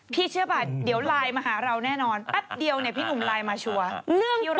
เชื่อป่ะเดี๋ยวไลน์มาหาเราแน่นอนแป๊บเดียวเนี่ยพี่หนุ่มไลน์มาชัวร์